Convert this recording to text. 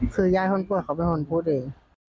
คือยายคนป่วยเขาเป็นคนพูดเอง